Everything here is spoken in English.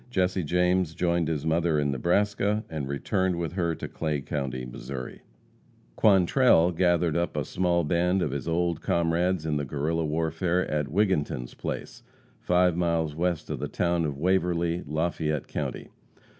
Jesse James joined his mother in Nebraska, and returned with her to Clay county, Missouri. Quantrell gathered up a small band of his old comrades in the Guerrilla warfare, at Wigginton's place, five miles west of the town of Waverly, Lafayette county.